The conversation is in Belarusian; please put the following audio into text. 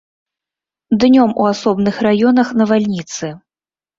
Днём у асобных раёнах навальніцы.